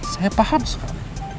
saya paham sekarang